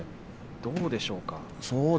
どうでしょうか。